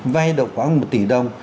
vay được khoảng một tỷ đồng